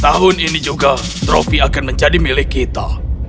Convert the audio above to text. tahun ini juga trofi akan menjadi milik kita